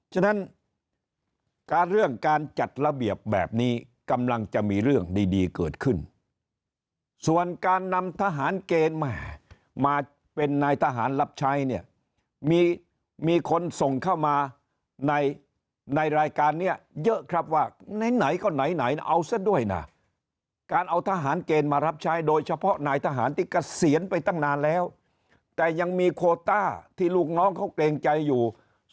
ฉะนั้นการเรื่องการจัดระเบียบแบบนี้กำลังจะมีเรื่องดีเกิดขึ้นส่วนการนำทหารเกณฑ์มาเป็นนายทหารรับใช้เนี่ยมีคนส่งเข้ามาในรายการนี้เยอะครับว่าไหนก็ไหนเอาซะด้วยนะการเอาทหารเกณฑ์มารับใช้โดยเฉพาะนายทหารที่เกษียณไปตั้งนานแล้วแต่ยังมีโคต้าที่ลูกน้องเขาเกรงใจอยู่